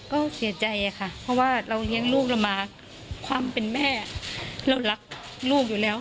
ก็เสียใจค่ะเพราะว่าเราเลี้ยงลูกเรามาความเป็นแม่เรารักลูกอยู่แล้ว